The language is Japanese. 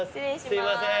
すいません